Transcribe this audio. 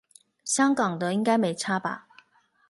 香港的應該沒差吧